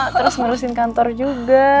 terus ngurusin kantor juga